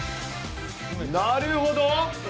なるほど。